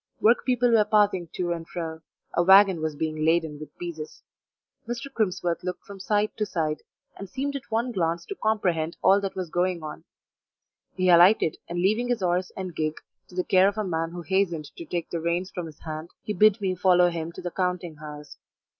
Workpeople were passing to and fro; a waggon was being laden with pieces. Mr. Crimsworth looked from side to side, and seemed at one glance to comprehend all that was going on; he alighted, and leaving his horse and gig to the care of a man who hastened to take the reins from his hand, he bid me follow him to the counting house.